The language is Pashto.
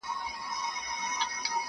لا صوفي له پښو څپلۍ نه وې ایستلې.!